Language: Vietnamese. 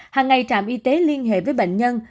hàng ngày trạm y tế liên hệ với bệnh nhân